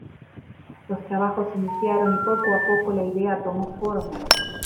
Los trabajos iniciaron y poco a poco la idea tomó forma.